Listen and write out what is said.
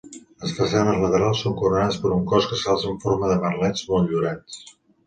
Les façanes laterals són coronades per un cos que s'alça en forma de merlets motllurats.